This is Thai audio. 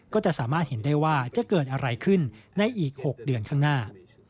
ก็จะสามารถเห็นได้ว่าจะเกิดอะไรขึ้นในอีก๖เดือนข้างหน้า